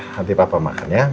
ya nanti papa makan ya